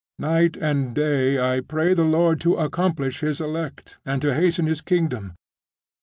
Night and day I pray the Lord to accomplish His elect, and to hasten His kingdom.